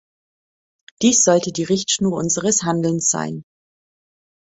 Dies sollte die Richtschnur unseres Handelns sein.